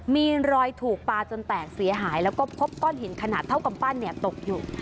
มีรอยถูกปลาจนแตกเสียหายแล้วก็พบก้อนหินขนาดเท่ากำปั้นตกอยู่